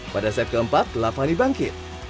pada set keempat lavani bangkit